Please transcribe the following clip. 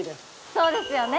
そうですよね。